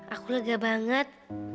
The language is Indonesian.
aku lega banget